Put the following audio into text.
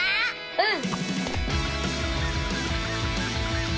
うん！